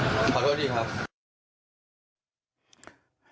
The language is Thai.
ลูกสาวหลายครั้งแล้วว่าไม่ได้คุยกับแจ๊บเลยลองฟังนะคะ